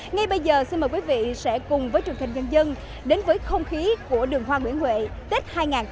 ngay bây giờ xin mời quý vị sẽ cùng với trường hình dân dân đến với không khí của đường hoa nguyễn huệ tết hai nghìn hai mươi